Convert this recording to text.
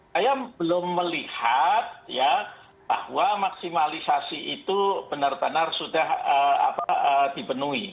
saya belum melihat bahwa maksimalisasi itu benar benar sudah dipenuhi